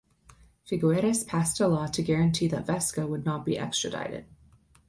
Figueres passed a law to guarantee that Vesco would not be extradited.